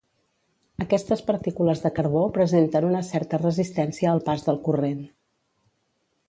Aquestes partícules de carbó presenten una certa resistència al pas del corrent.